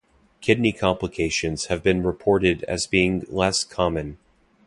Kidney complications have been reported as being less common.